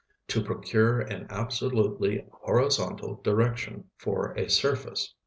to procure an absolutely horizontal direction for a surface.